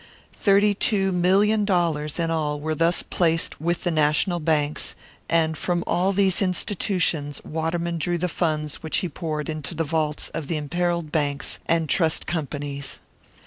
Thirty two million dollars in all were thus placed with the national banks; and from all these institutions Waterman drew the funds which he poured into the vaults of the imperilled banks and trust companies.